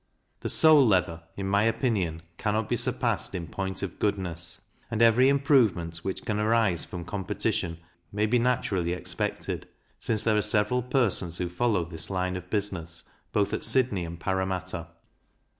The sole leather, in my opinion, cannot be surpassed in point of goodness; and every improvement which can arise from competition may be naturally expected, since there are several persons who follow this line of business both at Sydney and Parramatta.